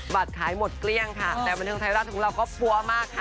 บัตรขายหมดเกลี้ยงค่ะแต่บันเทิงไทยรัฐของเราก็ปั๊วมากค่ะ